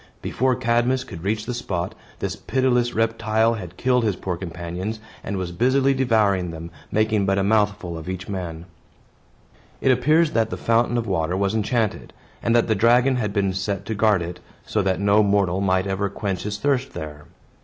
Before Cadmus could reach the spot, this pitiless reptile had killed his poor companions, and was busily devouring them, making but a mouthful of each man. It appears that the fountain of water was enchanted, and that the dragon had been set to guard it, so that no mortal might ever quench his thirst there.